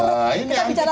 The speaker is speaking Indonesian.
karena ini antik kemampanan